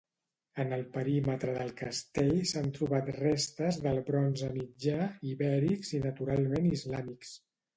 En el perímetre del castell s'han trobat restes del Bronze Mitjà, ibèrics i naturalment islàmics.